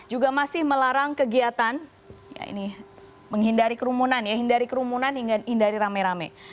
juga masih melarang kegiatan menghindari kerumunan hingga hindari rame rame